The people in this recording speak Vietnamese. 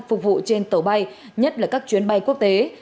phục vụ trên tàu bay nhất là các chuyến bay quốc tế